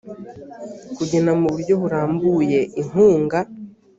kugena mu buryo burambuye inkunga